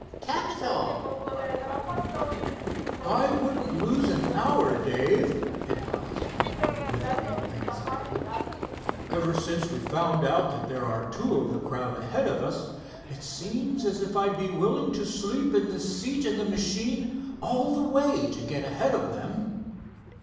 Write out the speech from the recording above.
"Capital!" cried Hiram. "I wouldn't lose an hour, Dave," advised Elmer, with real anxiety. "Ever since we found out that there are two of the crowd ahead of us, it seems as if I'd be willing to sleep in the seat in the machine all the way to get ahead of them."